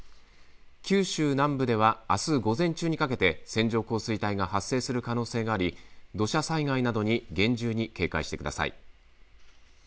九州南部ではあす午前中にかけて線状降水帯が発生する可能性があり土砂災害などに厳重に警戒してください。